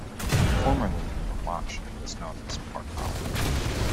Formerly in Romansh it was known as "Parpaun".